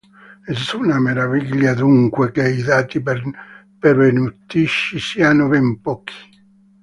Nessuna meraviglia dunque che i dati pervenutici siano ben pochi.